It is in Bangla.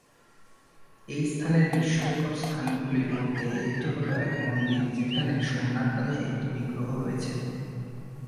এই স্থানের বিস্ময়কর স্থানগুলির মধ্যে একটি হল এক মন্দির যেখানে সোমনাথ নামে একটি বিগ্রহ রয়েছে।